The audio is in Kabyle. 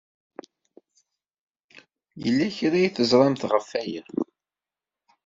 Yella kra ay teẓramt ɣef waya?